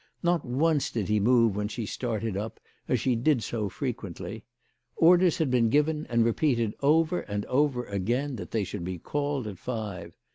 Not once did he move when she started up, as she did so frequently. Orders had been given and repeated over and over again that they should be called at five.